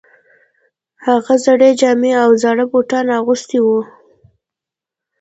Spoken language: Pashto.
هغه زړې جامې او زاړه بوټان اغوستي وو